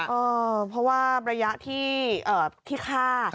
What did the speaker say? เอ่อเพราะว่าระยะที่เอ่อที่ฆ่า